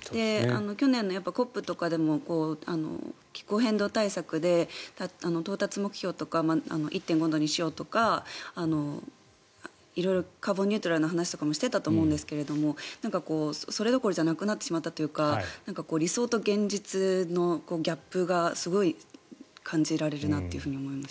去年のＣＯＰとかでも気候変動対策で到達目標とか１．５度にしようとか色々カーボンニュートラルの話とかしていたと思うんですけどそれどころじゃなくなってしまったというか理想と現実のギャップがすごい感じられるなと思います。